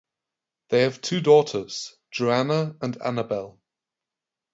They have two daughters, Joanna and Anabel.